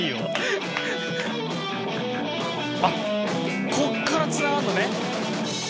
あっここからつながるのね。